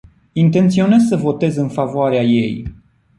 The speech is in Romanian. Intenționez să votez în favoarea ei.